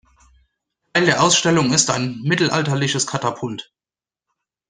Teil der Ausstellung ist ein mittelalterliches Katapult.